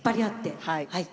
はい。